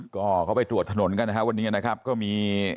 ก็เขาไปตรวจถนนกันนะครับวันนี้นะครับก็มี